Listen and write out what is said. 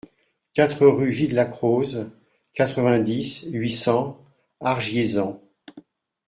quatre rUE VIE DE LA CROZE, quatre-vingt-dix, huit cents, Argiésans